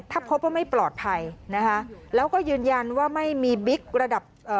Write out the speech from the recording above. ถ้าพบว่าไม่ปลอดภัยนะคะแล้วก็ยืนยันว่าไม่มีบิ๊กระดับเอ่อ